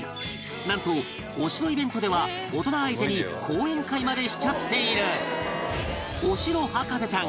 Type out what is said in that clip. なんとお城イベントでは大人相手に講演会までしちゃっている